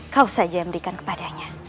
kau saja yang memberikan kepadanya